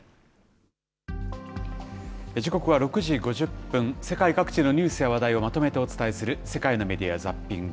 時刻は６時５０分、世界各地のニュースや話題をまとめてお伝えする、世界のメディア・ザッピング。